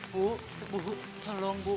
bu bu bu tolong bu